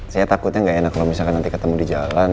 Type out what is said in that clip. saya takutnya nggak enak kalau misalkan nanti ketemu di jalan